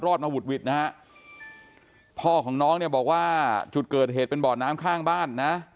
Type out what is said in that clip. มาหุดหวิดนะฮะพ่อของน้องเนี่ยบอกว่าจุดเกิดเหตุเป็นบ่อน้ำข้างบ้านนะ